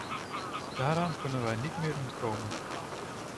Daaraan kunnen wij niet meer ontkomen.